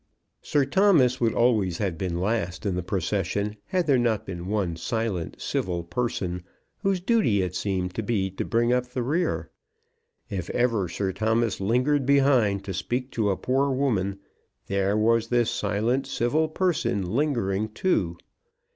Sir Thomas would always have been last in the procession, had there not been one silent, civil person, whose duty it seemed to be to bring up the rear. If ever Sir Thomas lingered behind to speak to a poor woman, there was this silent, civil person lingering too.